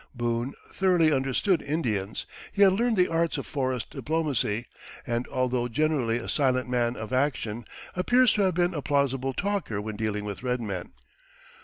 Boone thoroughly understood Indians; he had learned the arts of forest diplomacy, and although generally a silent man of action, appears to have been a plausible talker when dealing with red men.